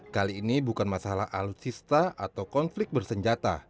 kali ini bukan masalah alutsista atau konflik bersenjata